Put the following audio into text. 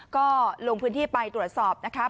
ก็ลงพื้นที่ไปตรวจสอบนะครับ